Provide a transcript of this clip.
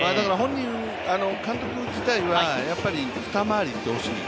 監督自体は二回りいってほしい。